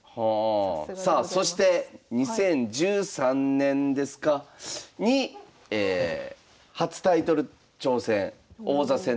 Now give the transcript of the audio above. さあそして２０１３年ですかに初タイトル挑戦王座戦ですね。